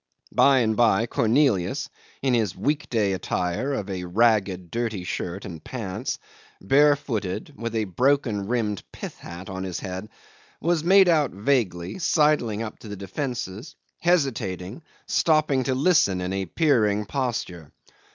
By and by Cornelius, in his week day attire of a ragged dirty shirt and pants, barefooted, with a broken rimmed pith hat on his head, was made out vaguely, sidling up to the defences, hesitating, stopping to listen in a peering posture.